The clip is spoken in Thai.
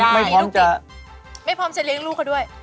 ไม่พร้อมจะเลี้ยงลูกเขาด้วย